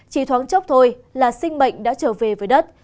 chỉ thoáng chốc thôi là sinh mệnh đã trở về với đất